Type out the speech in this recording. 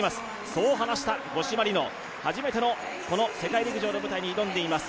そう話した五島莉乃、初めての世界陸上の舞台に挑んでいます。